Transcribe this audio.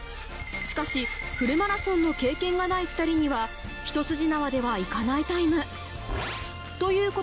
しかし、フルマラソンの経験がない２人にはひと筋縄ではいかないという。